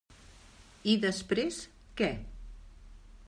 I després, què?